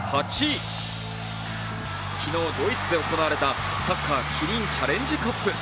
昨日、ドイツで行われたサッカーキリンチャレンジカップ。